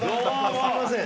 すいません。